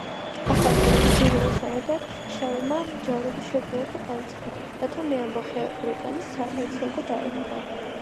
ახალი წოდების მიღებასთან ერთად შარლმა ჯარების შეგროვება დაიწყო, რათა მეამბოხე ბრეტანის საჰერცოგო დაეპყრო.